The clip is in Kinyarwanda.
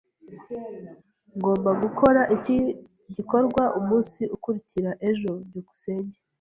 Ngomba gukora iki gikorwa umunsi ukurikira ejo. byukusenge